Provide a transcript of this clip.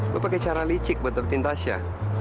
lu pake cara licik buat ngetikin tasya